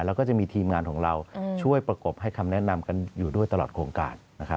แล้วก็จะมีทีมงานของเราช่วยประกบให้คำแนะนำกันอยู่ด้วยตลอดโครงการ